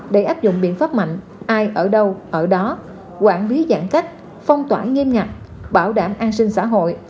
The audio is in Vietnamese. để áp dụng biện pháp mạnh ai ở đâu ở đó quản lý giãn cách phong tỏa nghiêm ngặt bảo đảm an sinh xã hội